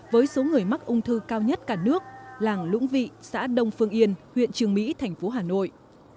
với số người mắc ung thư cao nhất cả nước làng lũng vị xã đông phương yên huyện trường mỹ thành phố hà nội